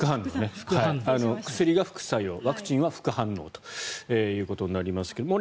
薬が副作用ワクチンは副反応ということになりますが。